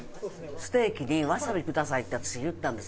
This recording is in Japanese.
「ステーキにわさびください」って私言ったんです